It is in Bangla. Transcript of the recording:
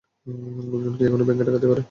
লোকজন কি এখনো ব্যাংক ডাকাতি করে?